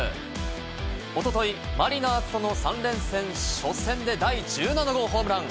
おととい、マリナーズとの３連戦初戦で第１７号ホームラン！